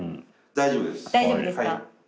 大丈夫です。